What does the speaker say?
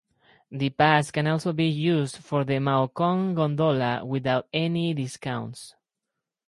The pass can also be used for the Maokong Gondola without any discounts.